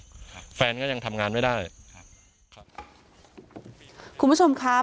ครับแฟนก็ยังทำงานไม่ได้ครับครับคุณผู้ชมครับ